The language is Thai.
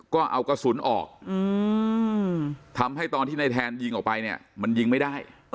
ก็เอากระสุนออกทำให้ตอนที่ในแทนยิงออกไปเนี่ยมันยิงไม่ได้